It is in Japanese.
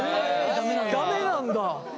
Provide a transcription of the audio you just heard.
ダメなんだ。